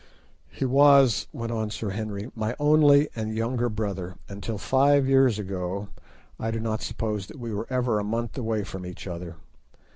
"He was," went on Sir Henry, "my only and younger brother, and till five years ago I do not suppose that we were ever a month away from each other.